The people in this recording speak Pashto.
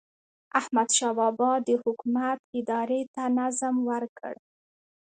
احمدشاه بابا د حکومت ادارې ته نظم ورکړ.